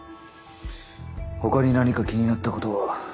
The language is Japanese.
ほかに何か気になったことは？